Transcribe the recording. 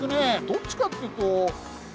どっちかというと。